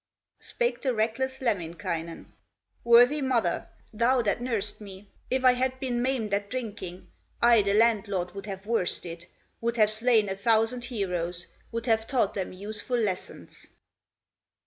Spake the reckless Lemminkainen: "Worthy mother, thou that nursed me, If I had been maimed at drinking, I the landlord would have worsted, Would have slain a thousand heroes, Would have taught them useful lessons."